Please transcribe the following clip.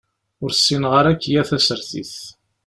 Ur ssineɣ ara akya tasertit.